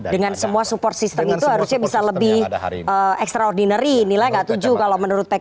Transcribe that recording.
dengan semua support system itu harusnya bisa lebih extraordinary nilai nggak tujuh kalau menurut pks